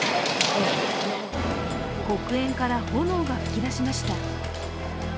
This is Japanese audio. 黒煙から炎が噴き出しました。